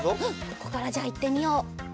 ここからじゃあいってみよう。